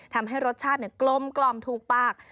ทำให้รสชาติกลมถูกปาก